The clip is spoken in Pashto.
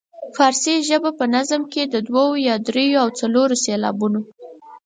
فارسي ژبې په نظم کې د دوو یا دریو او څلورو سېلابونو.